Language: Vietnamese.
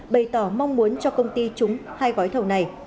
bày tỏ mong muốn cho công ty trúng hai gói thầu này